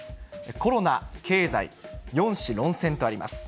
コロナ・経済、４氏論戦とあります。